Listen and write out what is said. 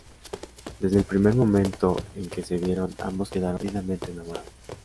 Desde el primer momento en que se vieron, ambos quedaron perdidamente enamorados.